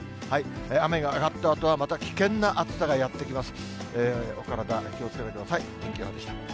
雨が上がったあとは、また危険な暑さがやって来ます。